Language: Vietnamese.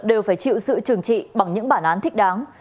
đều phải chịu sự trừng trị bằng những bản án thích đáng